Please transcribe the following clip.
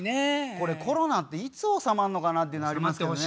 これコロナっていつ収まんのかなっていうのありますけどね。